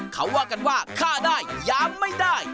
เขาว่ากันว่าฆ่าได้ยามไม่ได้